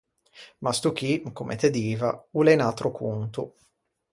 Ma sto chì, comme te diva, o l’é un atro conto.